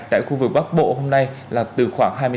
tại khu vực bắc bộ hôm nay là từ khoảng hai mươi tám đến ba mươi một độ